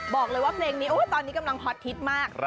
บอกเลยว่าเพลงนี้ตอนนี้กำลังฮอตฮิตมาก